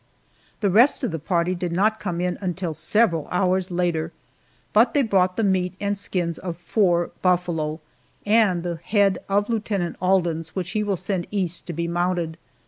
The rest of the party did not come in until several hours later; but they brought the meat and skins of four buffalo, and the head of Lieutenant Alden's, which he will send East to be mounted.